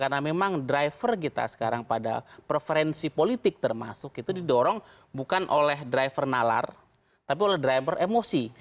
karena memang driver kita sekarang pada preferensi politik termasuk itu didorong bukan oleh driver nalar tapi oleh driver emosi